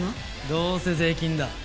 どうせ税金だ。